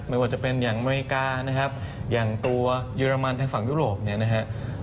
ไม่ว่าจะเป็นอย่างอเมริกานะครับอย่างตัวเยอรมันทางฝั่งยุโรปเนี่ยนะครับ